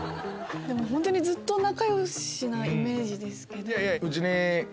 本当にずっと仲良しなイメージですけど。